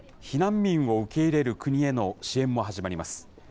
避難民を受け入れる国への支援も始まります。